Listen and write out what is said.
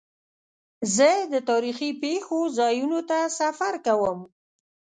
زه د تاریخي پېښو ځایونو ته سفر کوم.